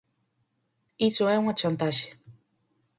Iso é unha chantaxe.